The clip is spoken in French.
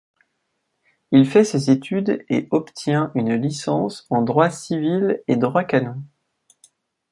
Il fait ses études et obtient une licence en droit civil et droit canon.